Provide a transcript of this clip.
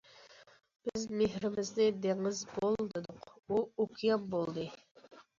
بىز مېھرىمىزنى دېڭىز بول، دېدۇق، ئۇ ئوكيان بولدى.